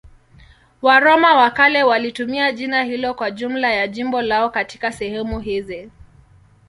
Waroma wa kale walitumia jina hilo kwa jumla ya jimbo lao katika sehemu hizi.